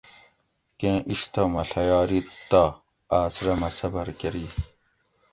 کیں اِشتہ مہ ڷیاریت تہ آۤس رہ مۤہ صبر کۤری